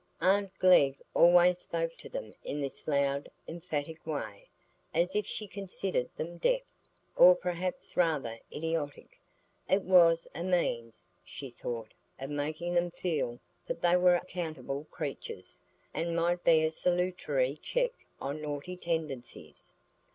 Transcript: Aunt Glegg always spoke to them in this loud, emphatic way, as if she considered them deaf, or perhaps rather idiotic; it was a means, she thought, of making them feel that they were accountable creatures, and might be a salutary check on naughty tendencies.